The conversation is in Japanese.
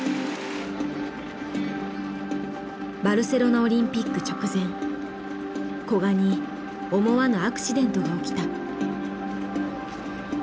バルセロナ・オリンピック直前古賀に思わぬアクシデントが起きた。